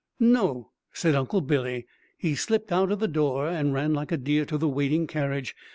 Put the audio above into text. "No," said Uncle Billy. He slipped out of the door, and ran like a deer to the waiting carriage.